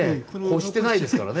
濾してないですからね。